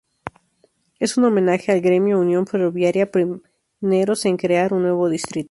Es en homenaje al gremio "Unión Ferroviaria", pioneros en crear un nuevo distrito.